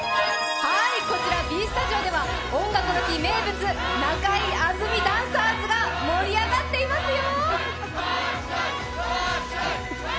こちらＢスタジオでは、「音楽の日」名物、中居安住ダンサーズが盛り上がっていますよ！